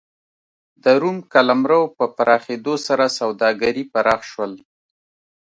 د روم قلمرو په پراخېدو سره سوداګري پراخ شول